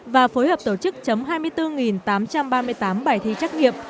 và phối hợp tổ chức chấm hai mươi bốn tám trăm ba mươi tám bài thi trách nhiệm